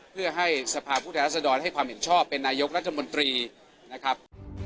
เพื่อให้สภาพผู้แทนรัศดรให้ความเห็นชอบเป็นนายกรัฐมนตรีนะครับ